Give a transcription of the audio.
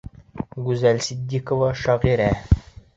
Гүзәл Ситдиҡова, шағирә: